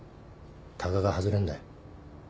たがが外れんだよ。